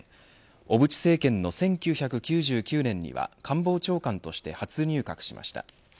小渕政権の１９９９年には官房長官として初入閣しました。